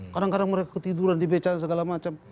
kadang kadang mereka ketiduran di beca segala macam